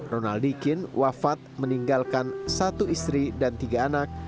ronald dikin wafat meninggalkan satu istri dan tiga anak